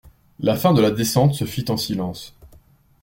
La fin de la descente se fit en silence.